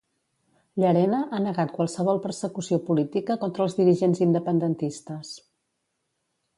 Llarena ha negat qualsevol persecució política contra els dirigents independentistes.